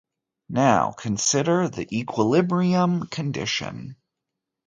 Now consider the equilibrium condition.